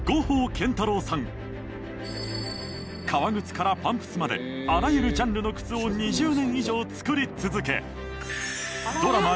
革靴からパンプスまであらゆるジャンルの靴を２０年以上作り続けドラマ